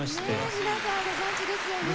ねえ皆さんご存じですよね。